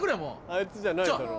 あいつじゃないだろ。